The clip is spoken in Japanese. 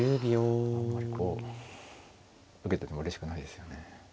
あんまりこう受けてもうれしくないですよね。